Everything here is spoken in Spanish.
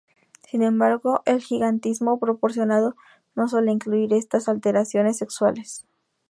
Sin embargo, el gigantismo proporcionado no suele incluir estas alteraciones sexuales.